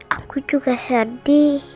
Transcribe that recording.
aku juga sedih